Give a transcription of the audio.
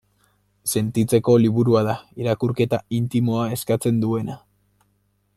Sentitzeko liburua da, irakurketa intimoa eskatzen duena.